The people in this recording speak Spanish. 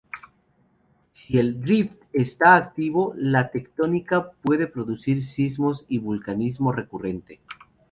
Si el "rift" está activo, la tectónica puede producir sismos y vulcanismo recurrente.